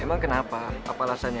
emang kenapa apa alasannya